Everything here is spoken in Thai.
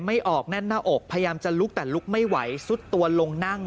ไม่ออกแน่นหน้าอกพยายามจะลุกแต่ลุกไม่ไหวซุดตัวลงนั่ง